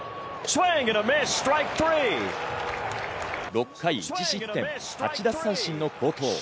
６回１失点、８奪三振の好投。